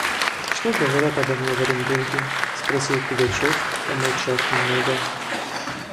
– Что говорят обо мне в Оренбурге? – спросил Пугачев, помолчав немного.